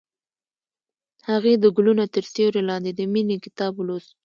هغې د ګلونه تر سیوري لاندې د مینې کتاب ولوست.